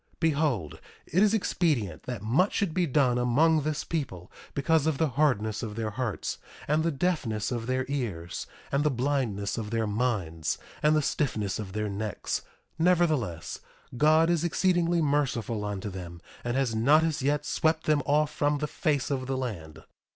1:3 Behold, it is expedient that much should be done among this people, because of the hardness of their hearts, and the deafness of their ears, and the blindness of their minds, and the stiffness of their necks; nevertheless, God is exceedingly merciful unto them, and has not as yet swept them off from the face of the land.